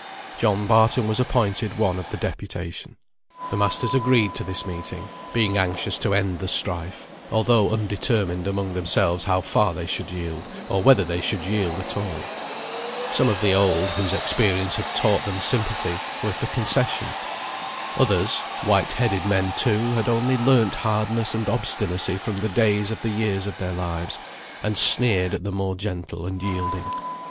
John Barton was appointed one of the deputation. The masters agreed to this meeting, being anxious to end the strife, although undetermined among themselves how far they should yield, or whether they should yield at all. Some of the old, whose experience had taught them sympathy, were for concession. Others, white headed men too, had only learnt hardness and obstinacy from the days of the years of their lives, and sneered at the more gentle and yielding.